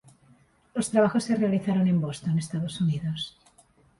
Los trabajos se realizaron en Boston, Estados Unidos.